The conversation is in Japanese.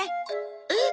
えっ！？